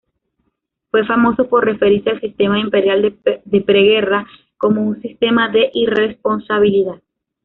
Fue famoso por referirse al sistema imperial de preguerra como un "sistema de irresponsabilidad".